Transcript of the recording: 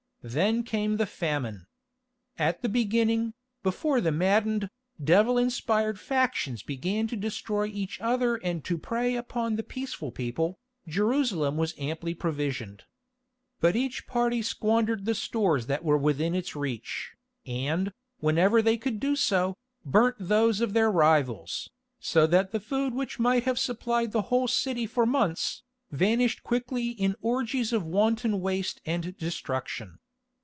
Then came the famine. At the beginning, before the maddened, devil inspired factions began to destroy each other and to prey upon the peaceful people, Jerusalem was amply provisioned. But each party squandered the stores that were within its reach, and, whenever they could do so, burnt those of their rivals, so that the food which might have supplied the whole city for months, vanished quickly in orgies of wanton waste and destruction.